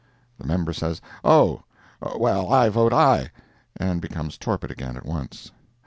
The member says, "Oh!—well, I vote aye," and becomes torpid again at once.